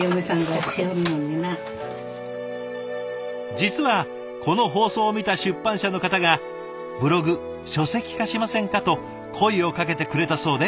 実はこの放送を見た出版社の方が「ブログ書籍化しませんか？」と声をかけてくれたそうで。